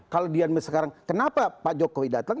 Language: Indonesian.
kalau dia sekarang kenapa pak jokowi datang